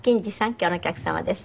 今日のお客様です。